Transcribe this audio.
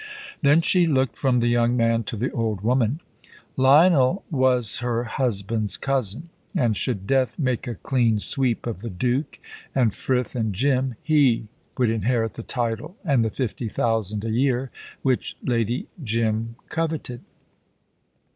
Then she looked from the young man to the old woman. Lionel was her husband's cousin, and should death make a clean sweep of the Duke, and Frith and Jim, he would inherit the title and the fifty thousand a year which Lady Jim coveted.